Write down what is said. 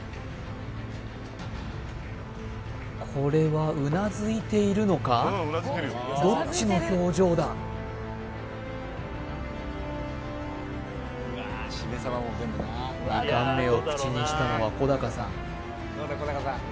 これはうなずいているのかどっちの表情だ２貫目を口にしたのは小高さん